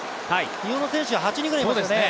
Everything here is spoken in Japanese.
日本の選手は８人ぐらいいますよね。